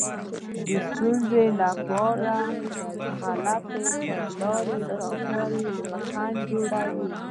د ستونزې لپاره غلطه تګلاره ټاکل خنډ جوړوي.